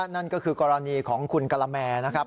นั่นก็คือกรณีของคุณกะละแมนะครับ